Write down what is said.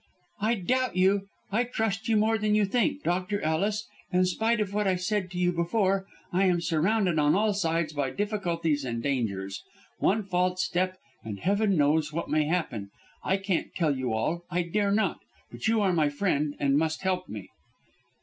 "I doubt you! I trust you more than you think. Doctor Ellis, in spite of what I said to you before, I am surrounded on all sides by difficulties and dangers. One false step and Heaven knows what may happen! I can't tell you all I dare not. But you are my friend and must help me."